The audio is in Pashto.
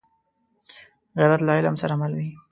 غیرت له علم سره مل وي